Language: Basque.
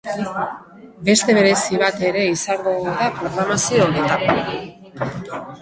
Beste berezi bat ere izango da programazio honetan.